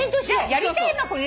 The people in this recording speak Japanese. やりたい！